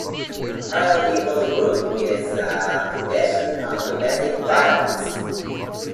A priority for the group is the prevention of domestic violence.